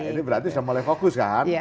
ini berarti sudah mulai fokus kan